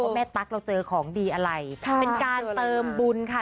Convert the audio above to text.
ตั๊กเราเจอของดีอะไรเป็นการเติมบุญค่ะ